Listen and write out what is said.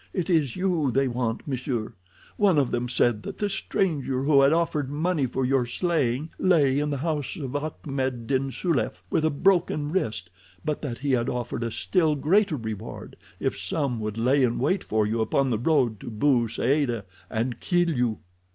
"It is you they want, m'sieur. One of them said that the stranger who had offered money for your slaying lay in the house of Akmed din Soulef with a broken wrist, but that he had offered a still greater reward if some would lay in wait for you upon the road to Bou Saada and kill you."